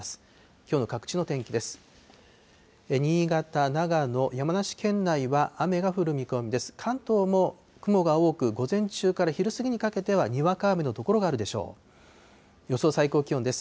きょうの各地の天気です。